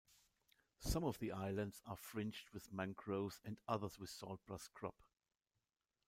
Some of the islands are fringed with mangroves and others with salt brush scrub.